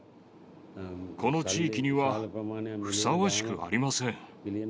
この地域には、ふさわしくありません。